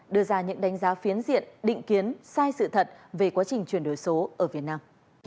đưa ra những đánh giá phiến diện định kiến sai sự thật về quá trình chuyển đổi số ở việt nam